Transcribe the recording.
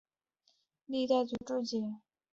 历代祖师的注解是对种种争议的最好回复。